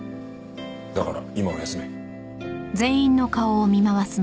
だから今は休め。